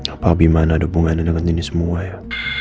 apa abimana ada hubungannya dengan ini semua ya